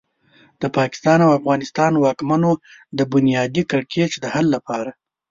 د پاکستان او افغانستان واکمنو د بنیادي کړکېچ د حل لپاره.